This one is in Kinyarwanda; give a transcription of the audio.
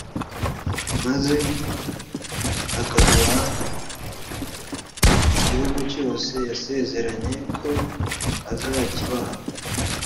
maze akaguha igihugu cyose yasezeranye ko azakibaha